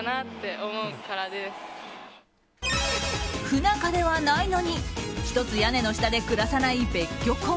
不仲ではないのにひとつ屋根の下で暮らさない別居婚。